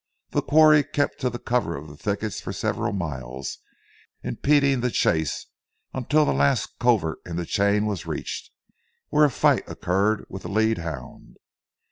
The quarry kept to the cover of the thickets for several miles, impeding the chase until the last covert in the chain was reached, where a fight occurred with the lead hound.